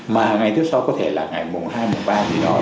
mà ngày tiếp sau có thể là ngày mùng hai mùng ba gì đó